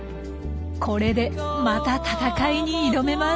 これでまた戦いに挑めます。